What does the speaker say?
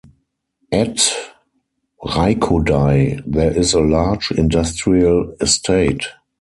At Raikodai there is a large industrial estate.